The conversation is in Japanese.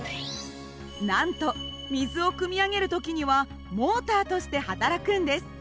なんと水をくみ上げる時にはモーターとして働くんです。